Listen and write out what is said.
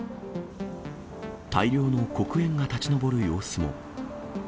大量の黒煙が立ち上る様子も。